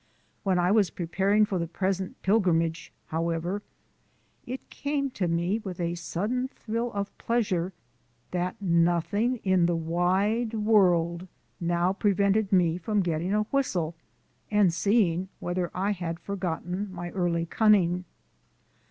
When I was preparing for the present pilgrimage, however, it came to me with a sudden thrill of pleasure that nothing in the wide world now prevented me from getting a whistle and seeing whether I had forgotten my early cunning.